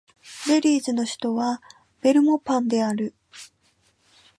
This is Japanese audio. ベリーズの首都はベルモパンである